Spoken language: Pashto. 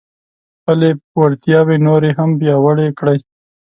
خپلې وړتیاوې نورې هم پیاوړې کړئ.